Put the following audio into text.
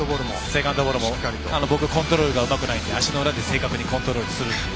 セカンドボールも、僕はコントロールがうまくないので足の裏で正確にコントロールすると。